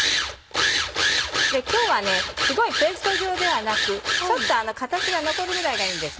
今日はすごいペースト状ではなくちょっと形が残るぐらいがいいんです。